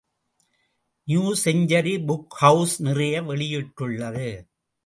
New Century புக்ஹவுஸ் நிறைய வெளியிட்டுள்ளது.